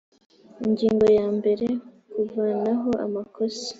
ingingo yambere kuvanaho amakosa